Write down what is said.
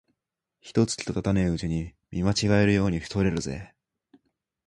一と月とたたねえうちに見違えるように太れるぜ